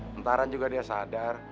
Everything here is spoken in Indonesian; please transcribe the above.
mentaran juga dia sadar